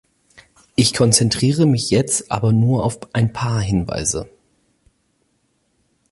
Ich konzentriere mich jetzt aber nur auf ein Paar Hinweise.